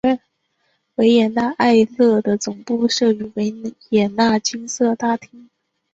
维也纳爱乐的总部设于维也纳金色大厅。